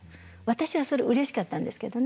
私はそれうれしかったんですけどね。